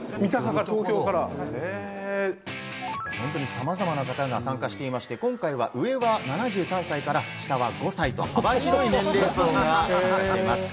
さまざまな方が参加していまして、今回は上は７３歳から、下は５歳と幅広い年齢層が参加されています。